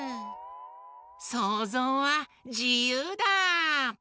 そうぞうはじゆうだ！